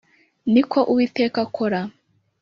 Ni ko Uwiteka akora